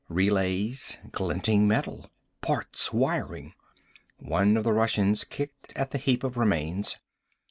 Relays, glinting metal. Parts, wiring. One of the Russians kicked at the heap of remains.